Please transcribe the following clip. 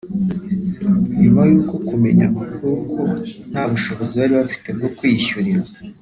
nyuma yo kumenya amakuru ko nta bushobozi bari bafite bwo kwiyishyurira